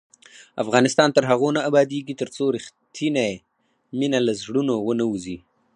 افغانستان تر هغو نه ابادیږي، ترڅو رښتینې مینه له زړونو ونه وځي.